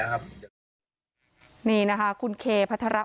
พวกทรัพย์สิ่งในรถเราไม่ต้องไปเอาแล้วครับ